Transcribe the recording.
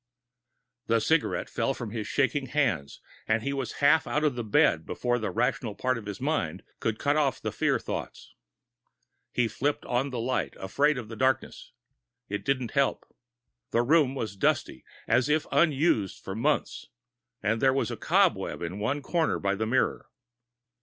_ The cigarette fell from his shaking hands, and he was half out of the bed before the rational part of his mind could cut off the fear thoughts. He flipped on the lights, afraid of the dimness. It didn't help. The room was dusty, as if unused for months, and there was a cobweb in one corner by the mirror.